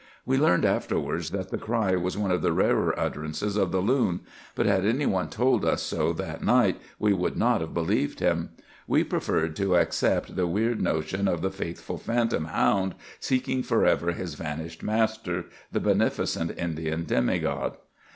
We learned afterwards that the cry was one of the rarer utterances of the loon; but had any one told us so that night we would not have believed him. We preferred to accept the weird notion of the faithful phantom hound seeking forever his vanished master, the beneficent Indian demigod.